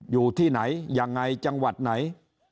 อยู่ที่ไหนยังไงจังหวัดไหน